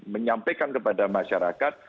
menyampaikan kepada masyarakat